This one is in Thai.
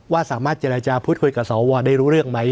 ว่าสามารถเจรจาพูดคุยกับสวได้รู้เรื่องไหม